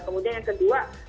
kemudian yang kedua